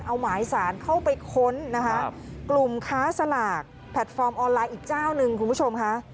เอาหมายสารเข้าไปค้นนะคะกลุ่มค้าสลากแพลตฟอร์มออนไลน์อีกเจ้าหนึ่งคุณผู้ชมค่ะ